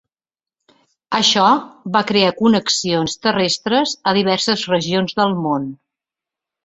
Això va crear connexions terrestres a diverses regions del món.